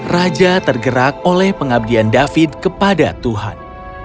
raja tergerak oleh pengabdian david kepada tuhan